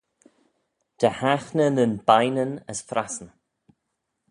Dy haghney ny bineyn as frassyn.